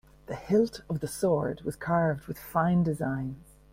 The hilt of the sword was carved with fine designs.